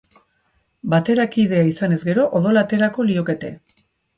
Baterakidea izanez gero, odola aterako liokete.